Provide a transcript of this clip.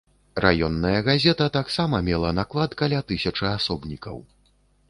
Раённая газета таксама мела наклад каля тысячы асобнікаў.